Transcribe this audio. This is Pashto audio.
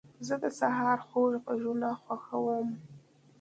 زه د سهار خوږ غږونه خوښوم.